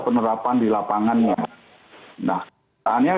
keberapaan di lapangannya nah kita